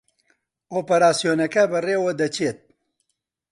ئۆپراسیۆنەکە بەڕێوە دەچێت